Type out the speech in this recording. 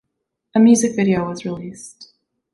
A music video was released.